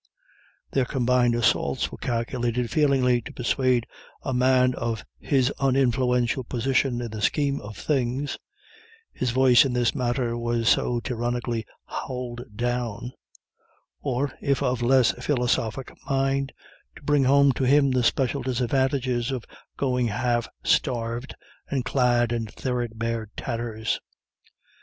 Their combined assaults were calculated feelingly to persuade a man of his uninfluential position in the scheme of things his voice in this matter was so tyrannically howled down or, if of less philosophic mind, to bring home to him the special disadvantages of going half starved and clad in threadbare tatters.